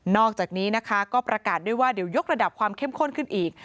อกจากนี้นะคะก็ประกาศด้วยว่าเดี๋ยวยกระดับความเข้มข้นขึ้นอีก